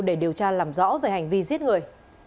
để điều tra làm rõ về hành vi giết người